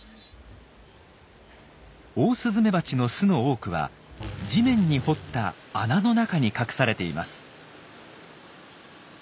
オオスズメバチの巣の多くは地面に掘った穴の中に隠されています。